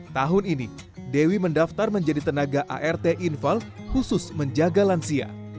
tahun ini dewi mendaftar menjadi tenaga art infal khusus menjaga lansia